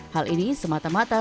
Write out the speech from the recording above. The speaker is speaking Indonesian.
hal ini semata mata